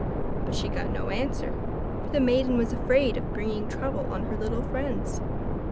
But she got no answer, for the maiden was afraid of bringing trouble on her little friends.